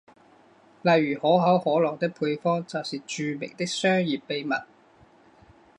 例如可口可乐的配方就是著名的商业秘密。